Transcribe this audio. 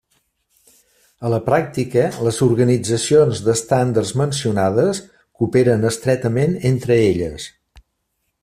A la pràctica, les organitzacions d'estàndards mencionades cooperen estretament entre elles.